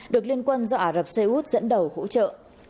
được liên quân do ả rập xê út dẫn đầu hỗ trợ